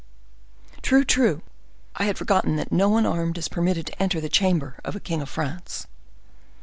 "True, true; I had forgotten that no one armed is permitted to enter the chamber of a king of France."